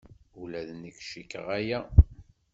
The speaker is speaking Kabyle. Ula d nekk cikkeɣ aya.